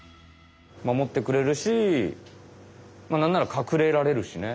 守ってくれるしなんならかくれられるしね。